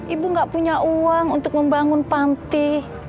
ibu gak punya uang untuk membangun panti